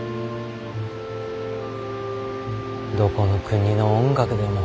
どこの国の音楽でも。